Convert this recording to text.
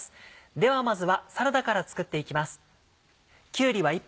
ではまずはサラダから作っていきます。